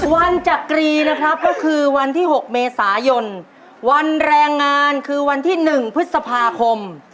จักรีนะครับก็คือวันที่๖เมษายนวันแรงงานคือวันที่๑พฤษภาคม